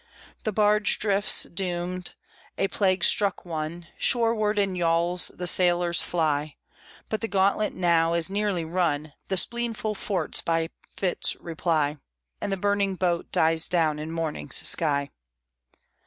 The barge drifts doomed, a plague struck one, Shoreward in yawls the sailors fly. But the gauntlet now is nearly run, The spleenful forts by fits reply, And the burning boat dies down in morning's sky.